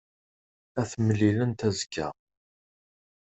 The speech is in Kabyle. Ad t-mlilent azekka.